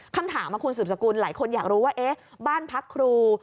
คำถามคุณสืบสกุลหลายคนอยากรู้ว่าบ้านพักครู